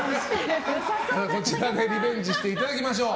こちらでリベンジしていただきましょう。